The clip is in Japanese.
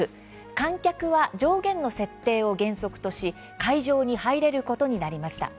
観客は上限の設定を原則とし会場に入れることになりました。